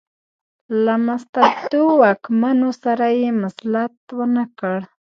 له مستبدو واکمنو سره یې مصلحت ونکړ.